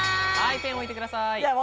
ペンを置いてください。